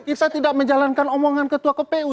kita tidak menjalankan omongan ketua kpu